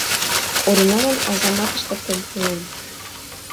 Ориналан азамат ыштыктен пуэн.